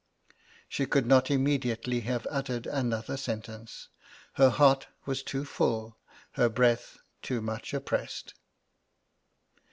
_' She could not immediately have uttered another sentence her heart was too full, her breath too much oppressed.